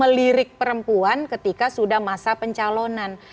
melirik perempuan ketika sudah masa pencalonan